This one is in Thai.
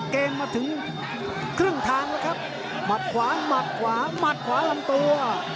เกมมาถึงครึ่งทางแล้วครับหมัดขวาหมัดขวาหมัดขวาลำตัว